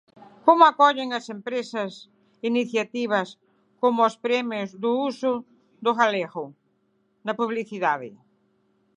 Como acollen as empresas iniciativas como os premios ao uso do galego na publicidade?